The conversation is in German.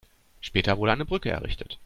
Später wurde eine Brücke errichtet.